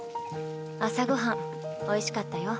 朝ご飯おいしかったよ。